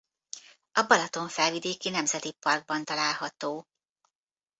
A Balaton-felvidéki Nemzeti Parkban található.